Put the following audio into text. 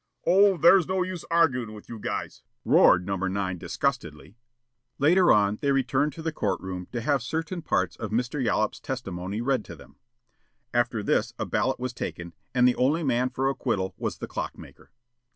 "Oh, there's no use arguin' with you guys," roared No. 9, disgustedly. Later on they returned to the court room to have certain parts of Mr. Yollop's testimony read to them. After this a ballot was taken, and the only man for acquittal was the clock maker.